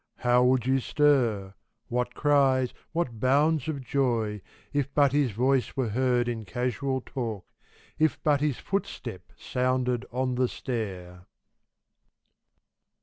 How would you stir, what cries, what bounds of joy, If but his voice were heard in casual talk, If but his footstep sounded on the stair